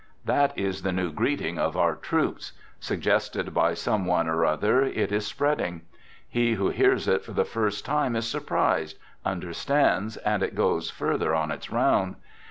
That is the new greeting of our troops. Sug gested by some one or other, it is spreading. He who hears it for the first time is surprised, under stands, and it goes further on its round.